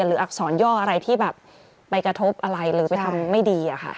อักษรย่ออะไรที่แบบไปกระทบอะไรหรือไปทำไม่ดีอะค่ะ